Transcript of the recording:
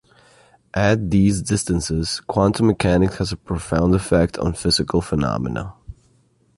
At these distances, quantum mechanics has a profound effect on physical phenomena.